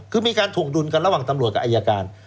คือมีการถวงดุลกันระหว่างตำรวจกับอายการ